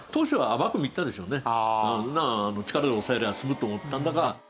力で押さえりゃ済むと思ったんだが。